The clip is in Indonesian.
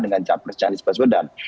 dengan capres canggih sepas pas dan